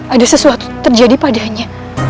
ada sesuatu terjadi padanya